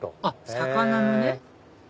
あっ魚のね